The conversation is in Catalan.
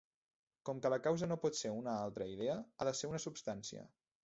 Com que la causa no pot ser una altra idea, ha de ser una substància.